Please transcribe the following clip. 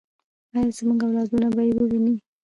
آیا زموږ اولادونه به یې وویني؟